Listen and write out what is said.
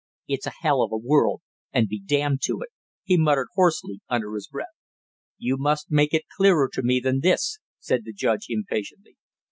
"It's a hell of a world and be damned to it!" he muttered hoarsely under his breath. "You must make it clearer to me than this!" said the judge impatiently.